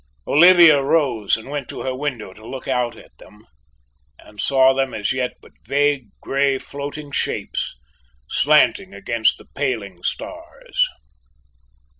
Olivia rose and went to her window to look out at them, and saw them as yet but vague grey floating shapes slanting against the paling stars.